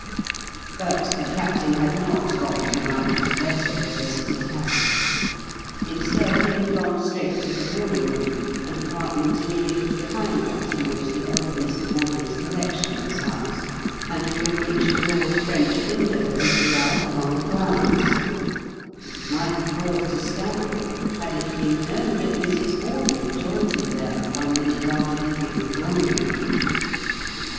But the Captain had not gone to write letters, as it had happened. Instead, he had gone straight to the morning room, an apartment immediately behind that in which the elder Mr. Bawdrey's collection was housed, and from which a broad French window opened out upon the grounds, and it might have caused a scandal had it been known that Mrs. Bawdrey joined him there one minute after leaving the drawing room.